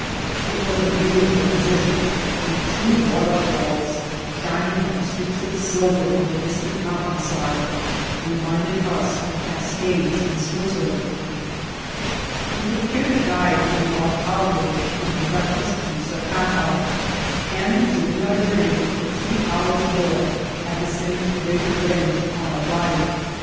It was a beautiful position, and two wa* terfalls, shining like streaks of silver on the distant mountain side, reminded us of cascades in Switzerland. We jHTOcured a guide from the alcalde to conduct us to Zacapa ; and, resuming our journey, for two hours more had the same great range upon our right.